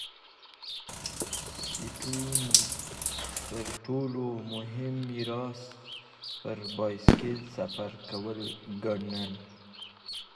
سټيونز تر ټولو مهم میراث پر بایسکل سفر کول ګڼل.